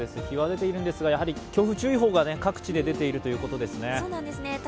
日は出ているんですが、強風注意報が各地で出ているということですね。